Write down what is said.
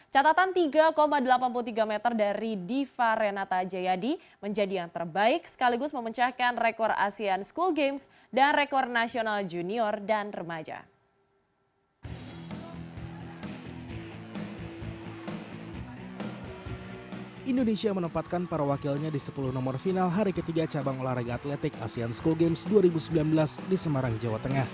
catatan tiga delapan puluh tiga meter dari diva renata jayadi menjadi yang terbaik sekaligus memencahkan rekor asean school games dan rekor nasional junior dan remaja